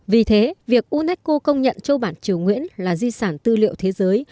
vì thế việc unesco công nhận châu bản triều nguyễn là di sản tư liệu thế giới